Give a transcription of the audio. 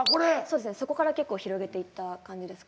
そこから結構広げていった感じです